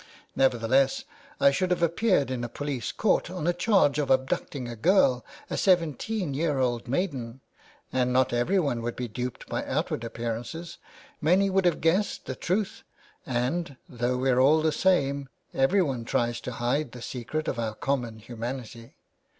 Nevertheless, I should have appeared in a police court on a charge of abducting a girl, a seventeen year old maiden ; and not everyone would be duped by outward appearances, many would have guessed the truth, and, though we're all the same, every one tries to hide the secret of our common humanity.